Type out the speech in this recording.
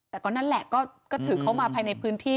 แต่ก็นั่นแหละก็ถือเข้ามาภายในพื้นที่